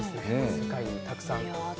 世界にたくさん。